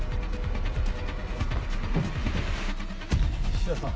菱田さん？